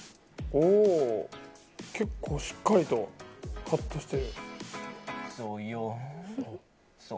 結構、しっかりとカットしてる。